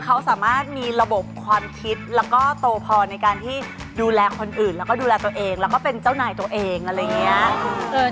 เขาสามารถมีระบบความคิดแล้วก็โตพอในการที่ดูแลคนอื่นแล้วก็ดูแลตัวเองแล้วก็เป็นเจ้านายตัวเองอะไรอย่างนี้